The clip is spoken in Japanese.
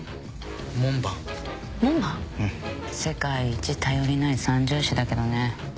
世界一頼りない三銃士だけどね。